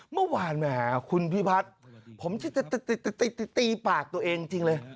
เมื่อวานแหมคุณพิพัฒน์ผมจะตีปากตัวเองจริงเลย